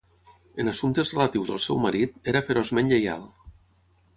En assumptes relatius al seu marit, era feroçment lleial.